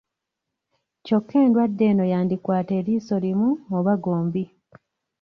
Kyokka endwadde eno yandikwata eriiso limu oba gombi